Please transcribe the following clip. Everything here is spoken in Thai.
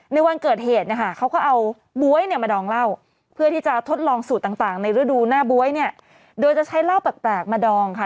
ในวันเกิดเหตุเนี่ยค่ะเขาก็เอาบ๊วยเนี่ยมาดองเหล้าเพื่อที่จะทดลองสูตรต่างในฤดูหน้าบ๊วยเนี่ยโดยจะใช้เหล้าแปลกมาดองค่ะ